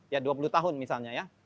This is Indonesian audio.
ya dua puluh tahun misalnya ya